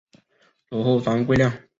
祖父张贵谅。